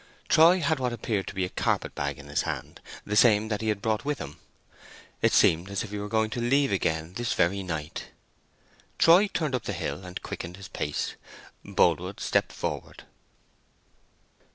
Troy had what appeared to be a carpet bag in his hand—the same that he had brought with him. It seemed as if he were going to leave again this very night. Troy turned up the hill and quickened his pace. Boldwood stepped forward.